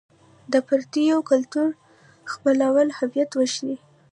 د پردیو کلتور خپلول هویت وژني.